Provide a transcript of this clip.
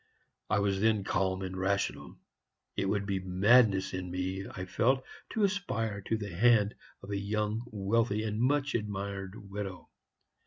I was then calm and rational. It would be madness in me, I felt, to aspire to the hand of a young, wealthy, and much admired widow.